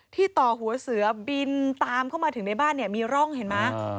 ต่อหัวเสือบินตามเข้ามาถึงในบ้านเนี่ยมีร่องเห็นไหม